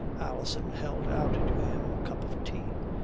Alison held out to him a cup of tea.